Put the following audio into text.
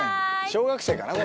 小学生かな？